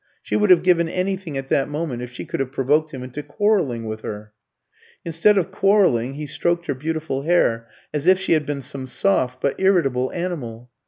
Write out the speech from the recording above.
She would have given anything at that moment if she could have provoked him into quarrelling with her. Instead of quarrelling, he stroked her beautiful hair as if she had been some soft but irritable animal.